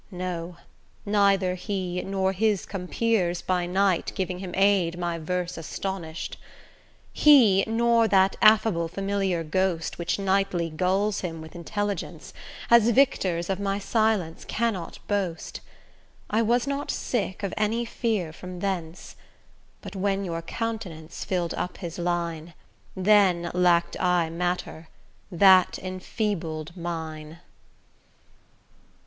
No, neither he, nor his compeers by night Giving him aid, my verse astonished. He, nor that affable familiar ghost Which nightly gulls him with intelligence, As victors of my silence cannot boast; I was not sick of any fear from thence: But when your countenance fill'd up his line, Then lacked I matter; that enfeebled mine.